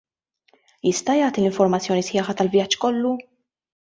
Jista' jagħti l-informazzjoni sħiħa tal-vjaġġ kollu?